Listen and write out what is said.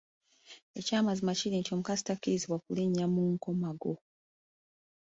Ekyamazima kiri nti omukazi takkirizibwa kulinnya mu kkomago